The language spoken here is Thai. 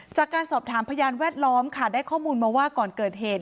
จากการสอบถามพยานแวดล้อมค่ะได้ข้อมูลมาว่าก่อนเกิดเหตุ